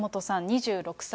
２６歳。